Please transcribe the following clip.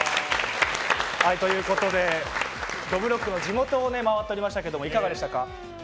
どぶろっくの地元を回っておりましたけどもいかがでしたか？